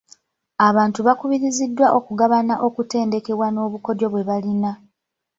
Abantu bakubiriziddwa okugabana okutendekebwa n'obukodyo bwe balina.